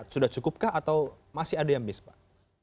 sudah cukupkah atau masih ada yang bis pak